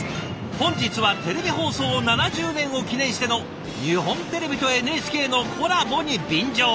本日はテレビ放送７０年を記念しての日本テレビとＮＨＫのコラボに便乗。